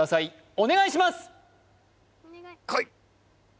お願いします